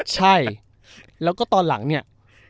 ใช่แล้วก็ตอนหลังเนี่ย